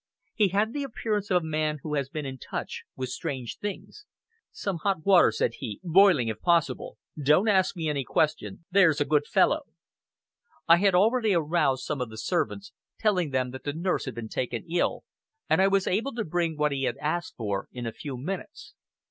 He had the appearance of a man who has been in touch with strange things. "Some hot water," said he "boiling, if possible. Don't ask me any questions, there's a good fellow!" I had already aroused some of the servants, telling them that the nurse had been taken ill, and I was able to bring what he had asked for in a few minutes.